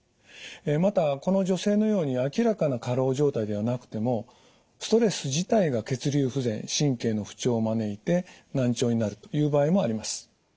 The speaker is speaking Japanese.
またこの女性のように明らかな過労状態ではなくてもストレス自体が血流不全神経の不調を招いて難聴になるという場合もあります。